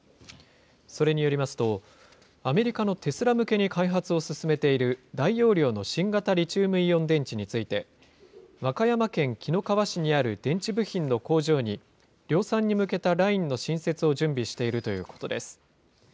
それによりますと、アメリカのテスラ向けに開発を進めている、大容量の新型リチウムイオン電池について、和歌山県紀の川市にある電池部品の工場に、量産に向けたラインの新設を準備しているということです。